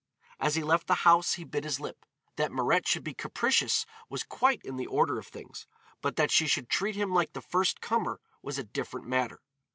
As he left the house he bit his lip. That Mirette should be capricious was quite in the order of things, but that she should treat him like the first comer was a different matter.